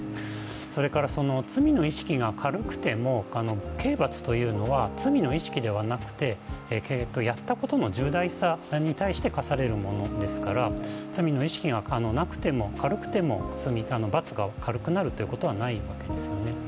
それから罪の意識が軽くても刑罰というのは罪の意識ではなくて、やったことの重大さに対して科されるものですから罪の意識がなくても、軽くても罰が軽くなることはないわけですよね。